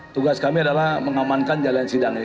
tugas kami adalah mengamankan jalan sidang ini